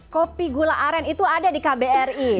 kopi gularen itu ada di kbri